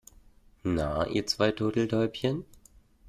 Na, ihr zwei Turteltäubchen.